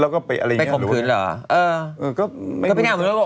แล้วก็ไปอะไรอย่างงี้ไปคมขื่นเหรอเออก็เออก็เออมันไม่คิดว่า